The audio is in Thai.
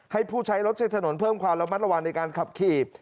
ให้ผู้ใช้รถใช้ถนนเพิ่มความระมัดระวังในการขับขี่